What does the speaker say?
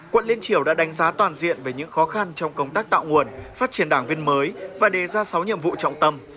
quận liên triều đã đánh giá toàn diện về những khó khăn trong công tác tạo nguồn phát triển đảng viên mới và đề ra sáu nhiệm vụ trọng tâm